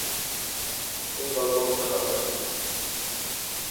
তিনি গল্প বলতে ভালবাসেন।